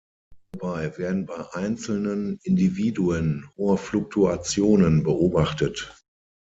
Hierbei werden bei einzelnen Individuen hohe Fluktuationen beobachtet.